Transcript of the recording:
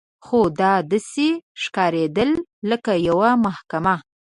خو دا داسې ښکارېدل لکه یوه محکمه.